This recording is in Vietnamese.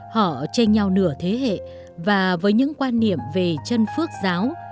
họ chênh nhau nửa thế hệ và với những quan niệm về chân phước giáo